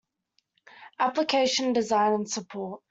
Application, design and support.